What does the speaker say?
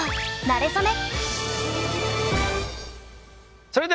なれそめ！